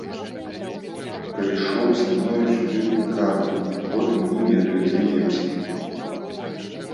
Прыйшоў са мною сюды ў пякарню, а потым не ведаю, дзе дзеўся!